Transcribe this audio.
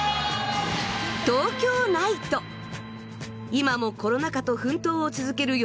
今もコロナ禍と奮闘を続ける夜の街。